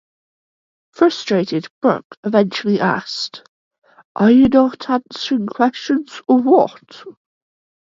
Frustrated, Brooks eventually asked, Are you not answering questions, or what?